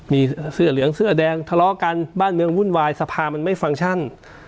มีเสื้อเหลืองเสื้อแดงทะเลาะกันบ้านเมืองวุ่นวายสภามันไม่ฟังก์ชั่น